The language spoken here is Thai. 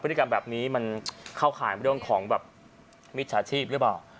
พฤศจิกายนแบบนี้มันเข้าขายไปเรื่องของมิจฉาชีพหรือเปล่า